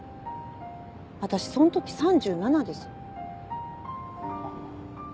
私その時３７です。